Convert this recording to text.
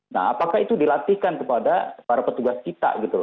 nah apakah itu dilatihkan kepada para petugas kita gitu